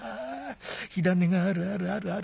火種があるあるあるある。